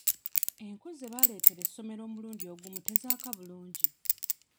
Enku ze baaleetera essomero omulundi guno tezaaka bulungi.